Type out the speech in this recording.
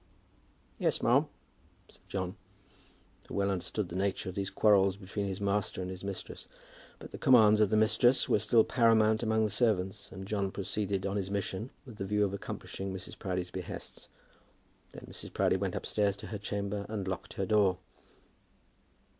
"Yes, ma'am," said John, who well understood the nature of these quarrels between his master and his mistress. But the commands of the mistress were still paramount among the servants, and John proceeded on his mission with the view of accomplishing Mrs. Proudie's behests. Then Mrs. Proudie went upstairs to her chamber, and locked her door.